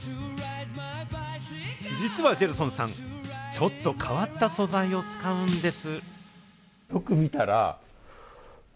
実はジェルソンさん、ちょっと変わった素材を使うんです。